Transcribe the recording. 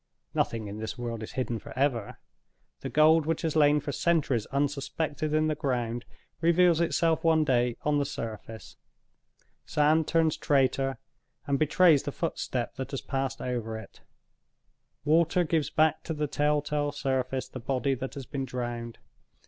Nothing in this world is hidden forever. The gold which has lain for centuries unsuspected in the ground, reveals itself one day on the surface. Sand turns traitor, and betrays the footstep that has passed over it; water gives back to the tell tale surface the body that has been drowned.